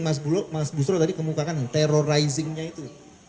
mas busro tadi kemukakan terrorizing nya itu